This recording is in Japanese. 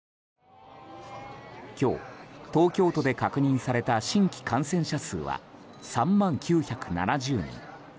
今日、東京都で確認された新規感染者数は３万９７０人。